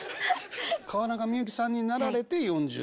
川中美幸さんになられて４５年。